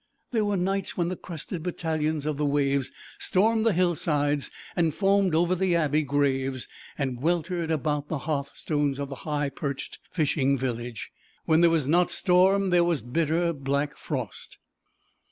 There were nights when the crested battalions of the waves stormed the hill sides and foamed over the Abbey graves, and weltered about the hearthstones of the high perched fishing village. When there was not storm there was bitter black frost.